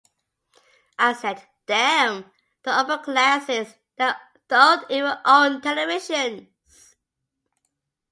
I said, 'Damn the upper classes: they don't even "own" televisions!